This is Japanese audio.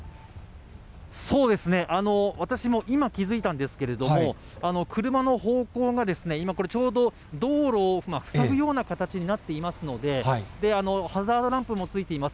そうですね、私も今気付いたんですけれども、車の方向が今、これ、ちょうど道路を塞ぐような形になっていますので、ハザードランプもついています。